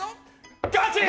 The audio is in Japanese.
ガチ！